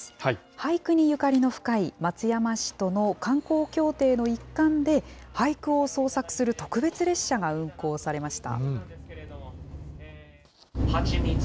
俳句にゆかりの深い松山市との観光協定の一環で、俳句を創作する特別列車が運行されました。